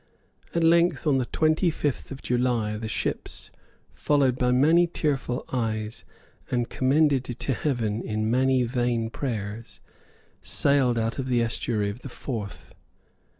At length on the twenty fifth of July the ships, followed by many tearful eyes, and commended to heaven in many vain prayers, sailed out of the estuary of the Forth.